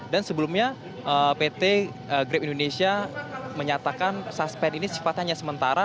dan sebelumnya pt grab indonesia menyatakan suspend ini sifatnya hanya sementara